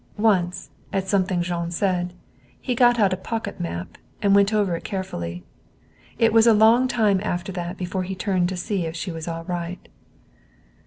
Once, at something Jean said, he got out a pocket map and went over it carefully. It was a long time after that before he turned to see if she was all right.